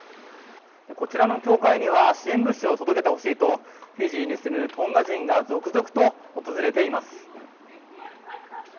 こちらの教会には支援物資を届けてほしいとフィジーに住むトンガ人が続々と訪れています。